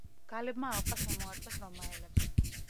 გალებმა ალყა შემოარტყეს რომაელებს.